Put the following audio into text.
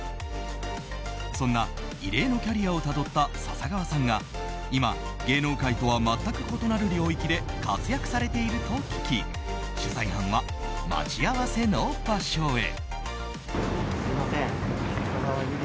そんな異例のキャリアをたどった笹川さんが今、芸能界とは全く異なる領域で活躍されていると聞き取材班は待ち合わせの場所へ。